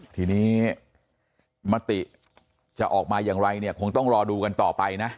ทีนี้มติจะออกมาอย่างไรเนี่ยคงต้องรอดูกันต่อไปนะ